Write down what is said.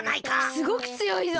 すごくつよいぞ。